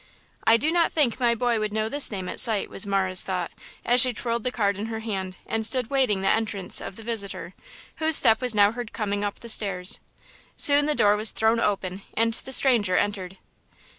"I do not think my boy would know this name at sight," was Marah's thought as she twirled the card in her hand and stood waiting the entrance of the visitor, whose step was now heard coming up the stairs. Soon the door was thrown open and the stranger entered.